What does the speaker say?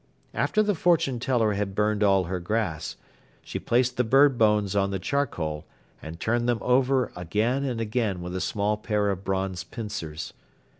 After the fortune teller had burned all her grass, she placed the bird bones on the charcoal and turned them over again and again with a small pair of bronze pincers.